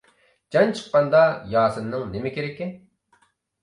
جان چىققاندا ياسىننىڭ نېمە كېرىكى.